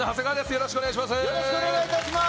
よろしくお願いします。